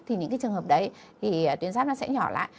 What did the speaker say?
thì những cái trường hợp đấy thì tuyến giáp nó sẽ nhỏ lại